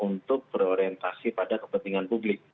untuk berorientasi pada kepentingan publik